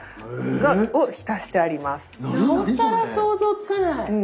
なおさら想像つかない。